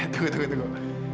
tunggu tunggu tunggu